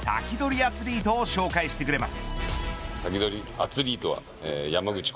アツリートを紹介してくれます。